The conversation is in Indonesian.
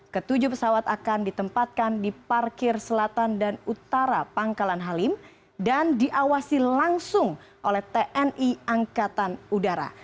ketujuh pesawat akan ditempatkan di parkir selatan dan utara pangkalan halim dan diawasi langsung oleh tni angkatan udara